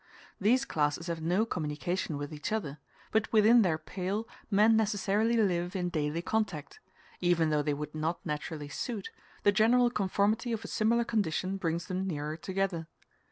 These classes have no communication with each other, but within their pale men necessarily live in daily contact; even though they would not naturally suit, the general conformity of a similar condition brings them nearer together.